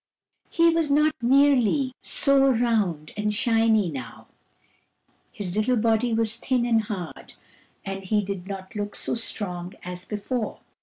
He was not nearly so round and shiny now. His little body was thin and hard, and he did not look so strong as before.